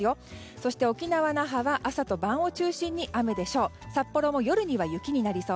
そして沖縄・那覇は朝と晩を中心に雨でしょう。